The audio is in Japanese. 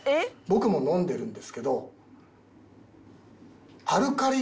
僕も飲んでるんですけど。